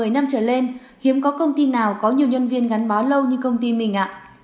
một mươi năm trở lên hiếm có công ty nào có nhiều nhân viên gắn báo lâu như công ty mình ạ